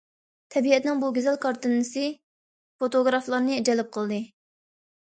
تەبىئەتنىڭ بۇ گۈزەل كارتىنىسى فوتوگرافلارنى جەلپ قىلدى.